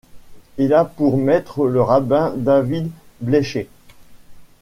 Il a pour maître le rabbin David Bleicher.